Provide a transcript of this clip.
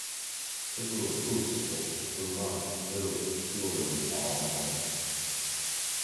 Several proofs of Fermat's little theorem are known.